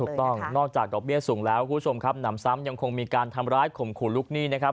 ถูกต้องนอกจากดอกเบี้ยสูงแล้วคุณผู้ชมครับหนำซ้ำยังคงมีการทำร้ายข่มขู่ลูกหนี้นะครับ